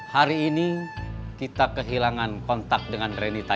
hari ini kita kehilangan kontak dengan renita